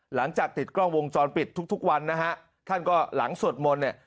หลังจากติดกล้องวงจรปิดทุกทุกวันนะฮะท่านก็หลังสวดมนต์เนี่ย